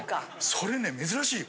それね珍しいよ。